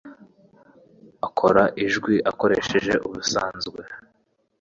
akora n'ijwi akoresha ubusanzwe